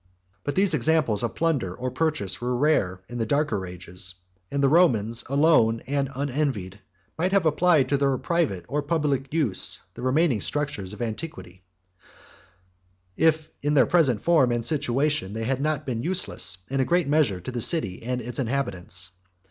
31 But these examples of plunder or purchase were rare in the darker ages; and the Romans, alone and unenvied, might have applied to their private or public use the remaining structures of antiquity, if in their present form and situation they had not been useless in a great measure to the city and its inhabitants.